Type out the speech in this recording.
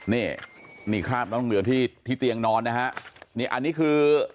นี่นี่คราบน้องเหลือที่ที่เตียงนอนนะฮะนี่อันนี้คือ